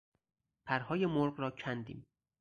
پرهای مرغ را کندیم.